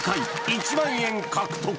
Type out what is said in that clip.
１万円獲得！